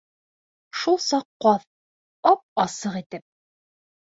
Шул саҡ ҡаҙ, ап-асыҡ итеп: